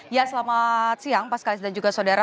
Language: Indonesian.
ya selamat siang mas kais dan juga saudara